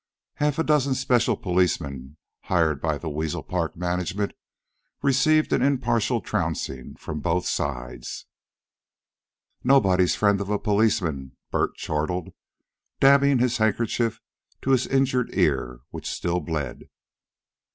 Half a dozen special policemen, hired by the Weasel Park management, received an impartial trouncing from both sides. "Nobody's the friend of a policeman," Bert chortled, dabbing his handkerchief to his injured ear, which still bled.